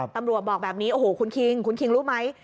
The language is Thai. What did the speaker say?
บอกแบบนี้โอ้โหคุณคิงคุณคิงรู้ไหม